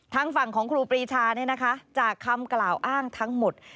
ทางฝั่งของครูปรีชาจากคำกล่าวอ้างทั้งหมด